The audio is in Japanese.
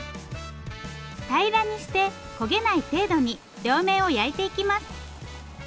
平らにして焦げない程度に両面を焼いていきます。